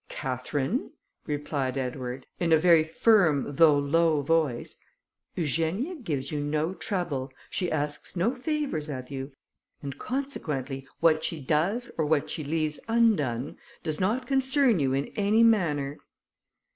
"Catherine," replied Edward, in a very firm though low voice, "Eugenia gives you no trouble, she asks no favours of you; and consequently, what she does, or what she leaves undone, does not concern you in any manner."